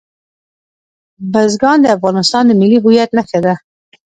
بزګان د افغانستان د ملي هویت نښه ده.